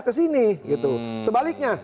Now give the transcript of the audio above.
ke sini sebaliknya